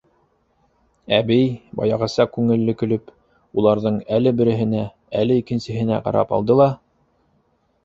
Әбей, баяғыса күңелле көлөп, уларҙың әле береһенә, әле икенсеһенә ҡарап алды ла: